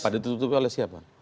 ditutupi oleh siapa